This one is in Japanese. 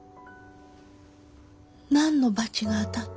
何のバチが当たったの？